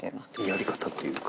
やり方というか。